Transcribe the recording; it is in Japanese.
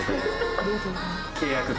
ありがとうございます。